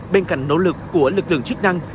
bên cạnh nỗ lực của lực lượng chức năng